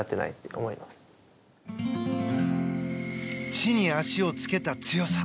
地に足をつけた強さ。